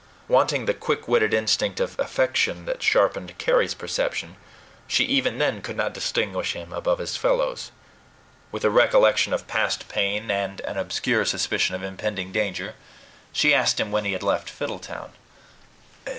Wanting the quick witted instinct of affection that sharpened Carry's perception, she even then could not distinguish him above his fellows. With a recollection of past pain, and an obscure suspicion of impending danger, she asked him when he had left Fiddletown.